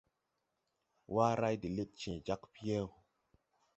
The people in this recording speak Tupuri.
Waray de lɛd cẽẽ jag piyɛw.